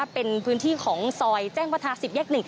เป็นพื้นที่ของซอยแจ้งวัฒนา๑๐แยก๑